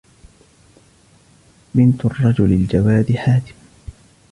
بِنْتُ الرَّجُلِ الْجَوَادِ حَاتِمٍ